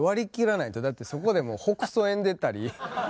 だってそこでもうほくそ笑んでたり。